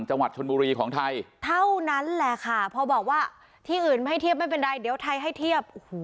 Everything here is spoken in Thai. จังหวัดชนบุรีของไทยเท่านั้นแหละค่ะพอบอกว่าที่อื่นไม่เทียบไม่เป็นไรเดี๋ยวไทยให้เทียบ